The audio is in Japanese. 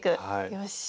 よし。